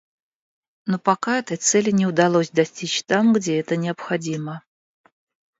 Но пока этой цели не удалось достичь там, где это необходимо.